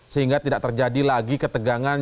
sehingga tidak terjadi lagi ketegangan